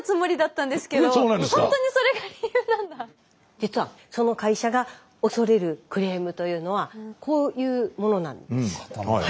実はその会社が恐れるクレームというのはこういうものなんです。